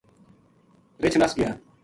رچھ نَس گیا